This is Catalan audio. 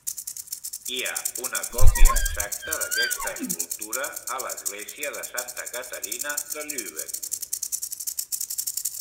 Hi ha una còpia exacta d'aquesta escultura a l'església de Santa Caterina de Lübeck.